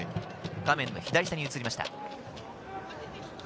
画面左下に移りました。